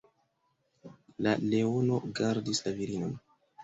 La leono gardis la virinon.